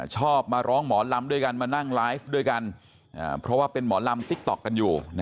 ชอบมาร้องหมอลำด้วยกันมานั่งไลฟ์ด้วยกันเพราะว่าเป็นหมอลำติ๊กต๊อกกันอยู่